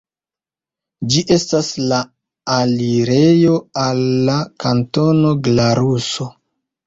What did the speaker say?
Ĝi estas la alirejo al la Kantono Glaruso.